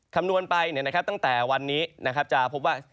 คำนวณไปตั้งแต่วันนี้จะพบว่า